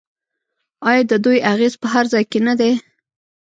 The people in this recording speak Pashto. آیا د دوی اغیز په هر ځای کې نه دی؟